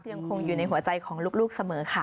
ยังคงอยู่ในหัวใจของลูกเสมอค่ะ